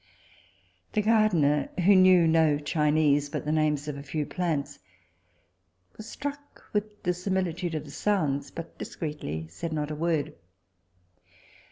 The gardiner, who knew no Chinese but the names of a few plants, was struck with the similitude of the sounds, but discreetly said not a word.